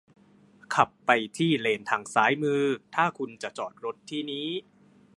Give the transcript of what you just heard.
ขับไปที่เลนทางซ้ายมือถ้าคุณจะจอดรถที่นี้